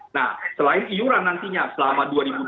nah selain iuran nantinya selama dua ribu dua puluh